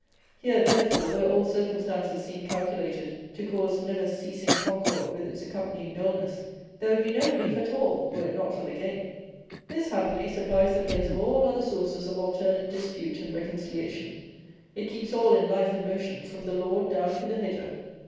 Here, therefore, where all circumstances seem calculated to cause never ceasing concord with its accompanying dullness, there would be no relief at all, were it not for the game. This, happily, supplies the place of all other sources of alternate dispute and reconciliation; it keeps all in life and motion, from the lord down to the hedger.